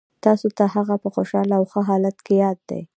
تاسو ته هغه په خوشحاله او ښه حالت کې یاد دی